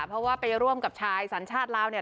เพราะว่าไปร่วมกับชายสัญชาติลาวเนี่ย